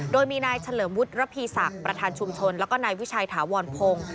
โดยมีนายเฉลิมวุฒิระพีศักดิ์ประธานชุมชนแล้วก็นายวิชัยถาวรพงศ์